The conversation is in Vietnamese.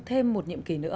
thêm một nhiệm kỳ nữa